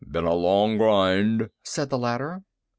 "Been a long grind," said the latter.